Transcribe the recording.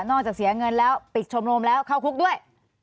เสียเงินแล้วปิดชมรมแล้วเข้าคุกด้วย